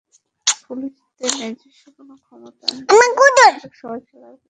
পুলিশদের নিজস্ব কোনও ক্ষমতা নেই আমার সবাই খেলার পুতুল।